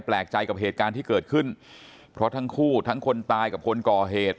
แปลกใจกับเหตุการณ์ที่เกิดขึ้นเพราะทั้งคู่ทั้งคนตายกับคนก่อเหตุ